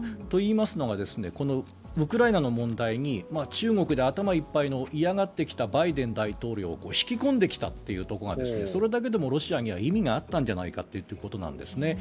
といいますのがこのウクライナの問題に中国で頭いっぱいの嫌がってきたバイデン大統領を引き込んできたというところがそれだけでもロシアには意味があったのではないかということなんです。